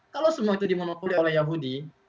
kalau semua itu dimonopoli oleh yahudi